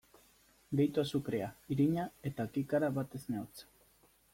Gehitu azukrea, irina eta kikara bat esne hotz.